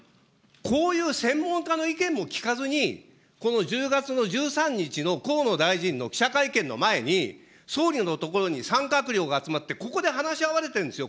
こういう専門家の意見も聞かずに、この１０月の１３日の河野大臣の記者会見の前に、総理のところに３閣僚が集まって、ここで話し合われてるんですよ。